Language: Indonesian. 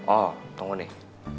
oh tunggu nih